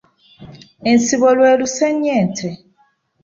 Ensibo lwe lusennyente.